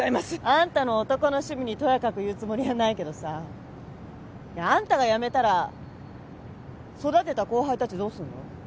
あんたの男の趣味にとやかく言うつもりはないけどさあんたが辞めたら育てた後輩たちどうすんの？